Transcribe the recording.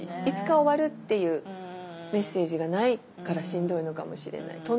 いつか終わるっていうメッセージがないからしんどいのかもしれない。